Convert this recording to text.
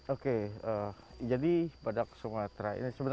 oke jadi saya jelaskan di dunia ini ada lima jenis badak